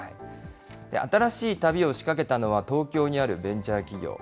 新しい旅を仕掛けたのは、東京にあるベンチャー企業。